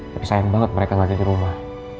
tapi sayang banget mereka gak jadi rumah